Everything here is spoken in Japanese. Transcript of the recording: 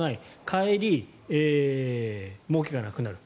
帰り、もうけがなくなる。